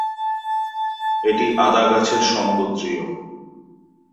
এটি আদা গাছের সমগোত্রীয়।